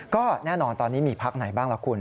ก็แน่นอนตอนนี้มีพักไหนบ้างล่ะคุณ